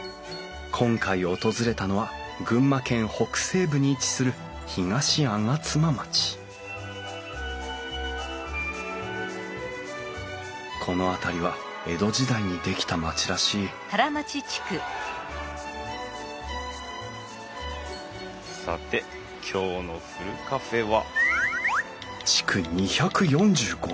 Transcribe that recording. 今回訪れたのは群馬県北西部に位置する東吾妻町この辺りは江戸時代に出来た町らしいさて今日のふるカフェは。